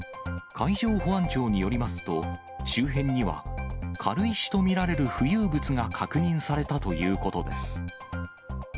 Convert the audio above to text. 海上保安庁によりますと、周辺には軽石と見られる浮遊物が確認されたということです。